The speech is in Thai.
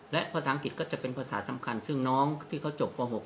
และภาษาอังกฤษก็จะเป็นภาษาสำคัญซึ่งน้องที่เขาจบป๖